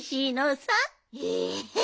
え？